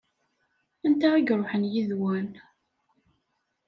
Anta i iṛuḥen yid-wen?